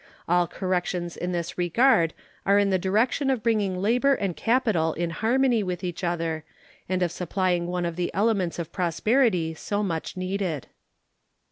All corrections in this regard are in the direction of bringing labor and capital in harmony with each other and of supplying one of the elements of prosperity so much needed.